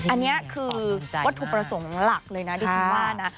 อันนี้คือวัตถุประสงค์หลักเลยนะที่ฉันว่านะ